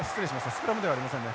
スクラムではありませんね。